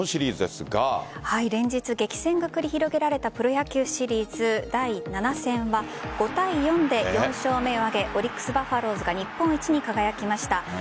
連日激戦が繰り広げられたプロ野球、日本シリーズ第７戦は５対４で４勝目を挙げオリックス・バファローズが日本一に輝きました。